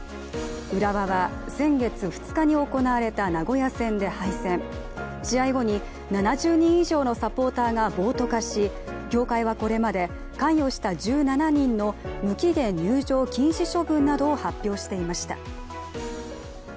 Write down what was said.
浦和は先月２日に行われた名古屋戦で敗戦、試合後に７０人以上のサポーターが暴徒化し、協会はこれまで、関与した１７人の無期限入場禁止処分などを発表していました。